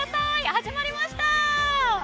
始まりました。